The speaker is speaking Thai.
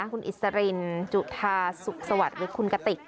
คุณอิสรินจุธาสุขสวัสดิ์หรือคุณกติก